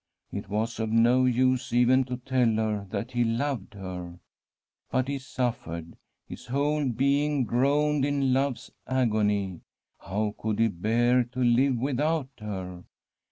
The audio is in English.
It was of no use even to tell her that he loved her ; but he suffered; his whole being groaned in love's agony. How could he bear to live without her